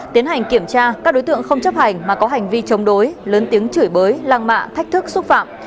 tiến hành kiểm tra các đối tượng không chấp hành mà có hành vi chống đối lớn tiếng chửi bới lăng mạ thách thức xúc phạm